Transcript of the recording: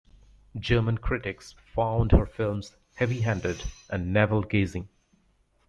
German critics found her films "heavyhanded" and "navel-gazing.